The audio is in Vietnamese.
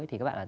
thì các bạn là